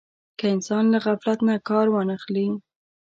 که انسان له غفلت نه کار وانه خلي.